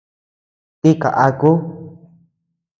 Tika aku.